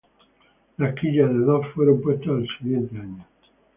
Las quillas de dos fueron puestas al siguiente año.